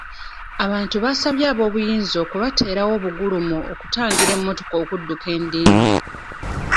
Abantu basabye ab'obuyinza okubateerawo obugulumo okutangira emmotoka okudduka endiima.